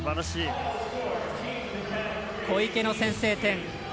小池の先制点。